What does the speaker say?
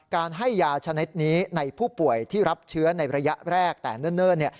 การให้ยาชนิดนี้ในผู้ป่วยที่รับเชื้อในระยะแรกแต่เนิ่นเนี่ย